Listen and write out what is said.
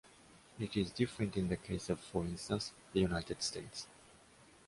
It is different in the case of, for instance, the United States.